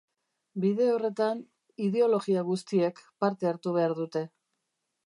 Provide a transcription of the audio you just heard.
Bide horretan ideologia guztiek parte hartu behar dute.